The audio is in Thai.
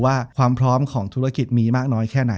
จบการโรงแรมจบการโรงแรม